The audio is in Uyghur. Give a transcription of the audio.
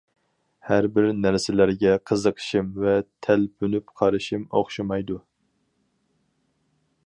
ھەربىر نەرسىلەرگە قىزىقىشىم ۋە تەلپۈنۈپ قارىشىم ئوخشىمايدۇ.